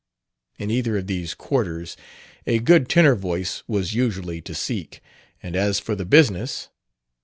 In either of these quarters a good tenor voice was usually to seek. And as for the business....